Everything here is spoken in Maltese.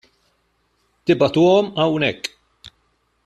Tibagħtuhom hemmhekk.